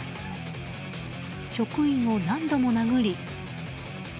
職員を何度も殴り。